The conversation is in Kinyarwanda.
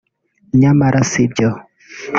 nyamara si byo